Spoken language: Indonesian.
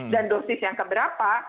dan dosis yang keberapa